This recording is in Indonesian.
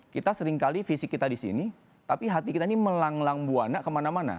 kita seringkali fisik kita di sini tapi hati kita ini melanglang buana kemana mana